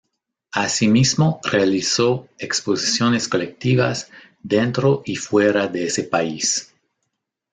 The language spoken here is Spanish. Asimismo realizó exposiciones colectivas dentro y fuera de ese país.